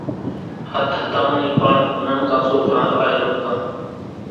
ۿتۿتامڻِي پڻ ننڪان سوڪران الائِي رمتان۔